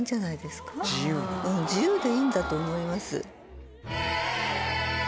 うん自由でいいんだと思います。